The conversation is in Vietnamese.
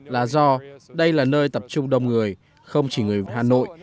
là do đây là nơi tập trung đông người không chỉ người hà nội